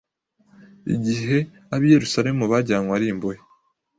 igihe ab’i Yerusalemu bajyanywe ari imbohe,